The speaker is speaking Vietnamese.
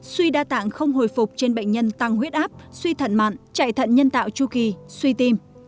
suy đa tạng không hồi phục trên bệnh nhân tăng huyết áp suy thận mạn chạy thận nhân tạo chu kỳ suy tim